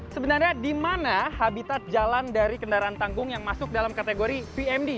sebenarnya di mana habitat jalan dari kendaraan tanggung yang masuk dalam kategori vmd